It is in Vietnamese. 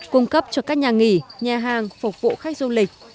cung cấp cho các nhà nghỉ nhà hàng phục vụ khách du lịch